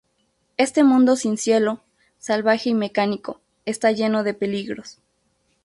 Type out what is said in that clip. Este mundo sin cielo, salvaje y mecánico, está lleno de peligros.